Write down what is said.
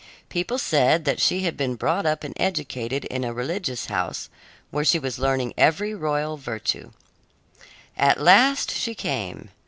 People said that she had been brought up and educated in a religious house, where she was learning every royal virtue. At last she came.